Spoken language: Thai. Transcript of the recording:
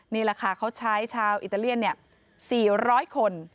นี่แหละค่ะเขาใช้ชาวอิตาเลียน๔๐๐คน